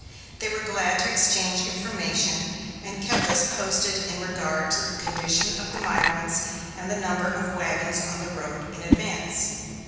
They were glad to exchange information, and kept us posted in regard to the condition of the migrants, and the number of wagons on the road in advance.